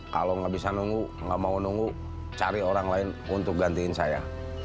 kalau nggak bisa nunggu nggak mau nunggu cari orang lain untuk gantiin saya